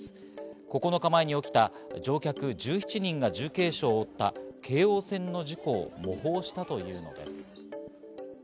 ９日前に起きた、乗客１７人が重軽傷を負った京王線の事故を模倣したというのです。